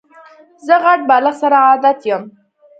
زه غټ بالښت سره عادت یم.